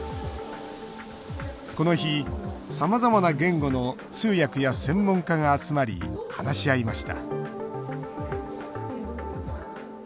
この日、さまざまな言語の通訳や専門家が集まり話し合いました。